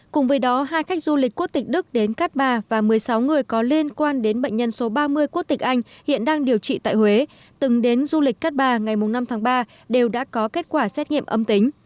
cùng với đó hai khách du lịch quốc tịch đức đến cát bà và một mươi sáu người có liên quan đến bệnh nhân số ba mươi quốc tịch anh hiện đang điều trị tại huế từng đến du lịch cát bà ngày năm tháng ba đều đã có kết quả xét nghiệm âm tính